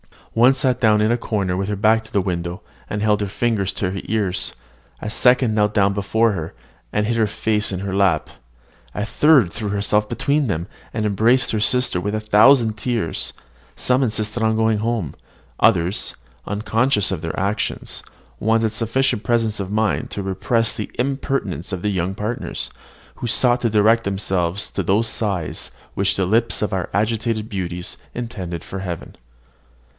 One sagaciously sat down in a corner with her back to the window, and held her fingers to her ears; a second knelt down before her, and hid her face in her lap; a third threw herself between them, and embraced her sister with a thousand tears; some insisted on going home; others, unconscious of their actions, wanted sufficient presence of mind to repress the impertinence of their young partners, who sought to direct to themselves those sighs which the lips of our agitated beauties intended for heaven.